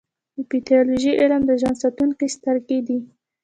د پیتالوژي علم د ژوند ساتونکې سترګې دي.